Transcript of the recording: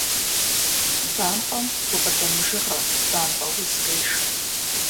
Бампӏэм гукъыдэмыжыгъэ, бампӏэ уз къешэ.